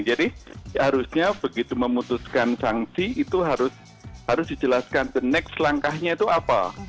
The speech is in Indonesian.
jadi harusnya begitu memutuskan sanksi itu harus dijelaskan the next langkahnya itu apa